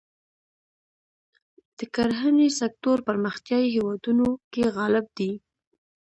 د کرهڼې سکتور پرمختیايي هېوادونو کې غالب دی.